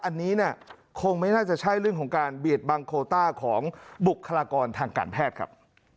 อันนี้เนี่ยคงไม่น่าจะใช่เรื่องของการเบียดบังโคต้าของบุคลากรทางการแพทย์ครับ